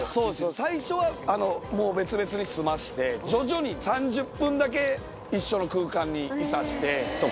最初は、もう別々に住ませて、徐々に３０分だけ一緒の空間にいさせてとか。